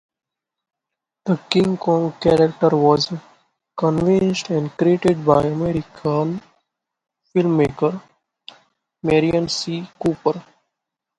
The King Kong character was conceived and created by American filmmaker Merian C. Cooper.